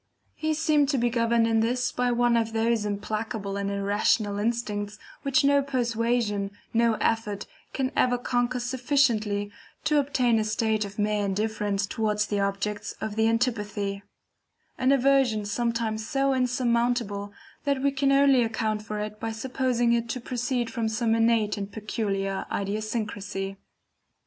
He seemed to be governed in this by one of those implacable and irrational instincts, which no persuasion, no effort, can ever conquer sufficiently to obtain a state of mere indifference towards the objects of the antipathy; an aversion sometimes so insurmountable, that we can only account for it by supposing it to proceed from some innate and peculiar idiosyncrasy.